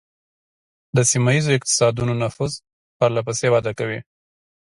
د سیمه ایزو اقتصادونو نفوذ پرله پسې وده کوي